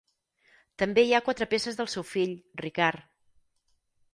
També hi ha quatre peces del seu fill, Ricard.